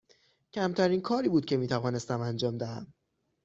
کمترین کاری بود که می توانستم انجام دهم.